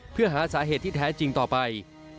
เพื่อหาสาเหตุที่แท้จริงต่อไป